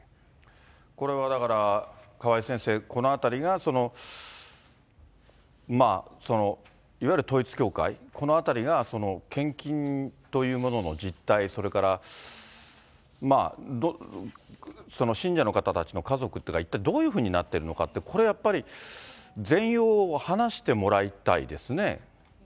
これはだから、川井先生、このあたりが、いわゆる統一教会、このあたりが献金というものの実態、それから信者の方たちの家族というのが一体どういうふうになっているのかというのが、これやっぱり全容を話してもらいたいですね。